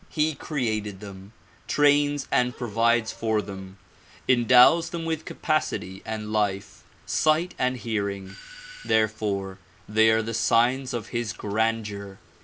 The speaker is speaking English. He created them, trains and provides for them, endows them with capacity and life, sight and hearing ; therefore they are the signs of his grandeur.